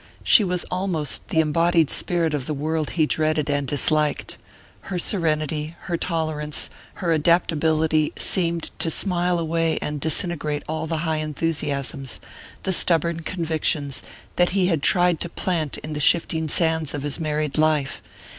She was almost the embodied spirit of the world he dreaded and disliked: her serenity, her tolerance, her adaptability, seemed to smile away and disintegrate all the high enthusiasms, the stubborn convictions, that he had tried to plant in the shifting sands of his married life.